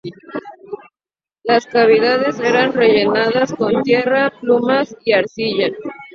Las cavidades eran rellenadas con tierra, plumas y arcilla.